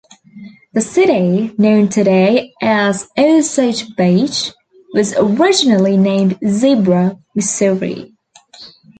The city, known today as Osage Beach, was originally named Zebra, Missouri.